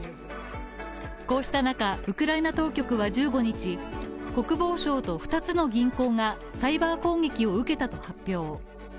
こうした中、ウクライナ当局は１５日、国防省と２つの銀行がサイバー攻撃を受けたと発表。